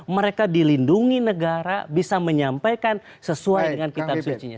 mereka dilindungi negara bisa menyampaikan sesuai dengan kitab sucinya